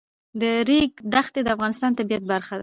د ریګ دښتې د افغانستان د طبیعت برخه ده.